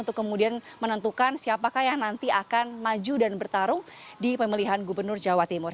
untuk kemudian menentukan siapakah yang nanti akan maju dan bertarung di pemilihan gubernur jawa timur